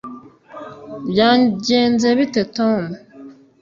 byagenze bite, tom